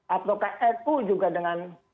atau kfu juga dengan